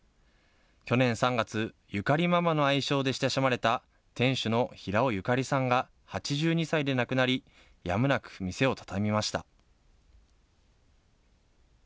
去年３月、ユカリママの愛称で親しまれた店主の平尾ユカリさんが、８２歳で亡くなり、やむなく店を畳みました。